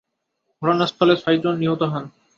ঘটনাস্থলে ছয়জন নিহত হন।